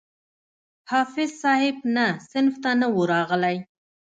حافظ صاحب نه صنف ته نه وو راغلى.